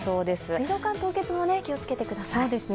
水道管凍結も気をつけてください。